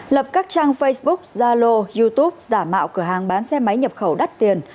lập các trang facebook zalo youtube giả mạo cửa hàng bán xe máy nhập khẩu đắt tiền